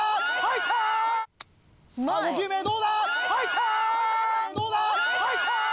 入った！